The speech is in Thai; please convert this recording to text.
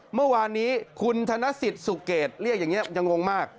เมื่อวานนี้คุณธนสิทธิ์สุเกตเรียกอย่างนี้ยังงงมาก